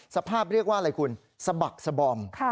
สภาพเรียกว่าอะไรคุณสะบักสบอม